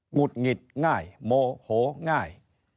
ุดหงิดง่ายโมโหง่าย